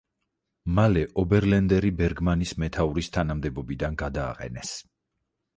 მალე ობერლენდერი „ბერგმანის“ მეთაურის თანამდებობიდან გადააყენეს.